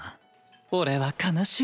俺は悲しい。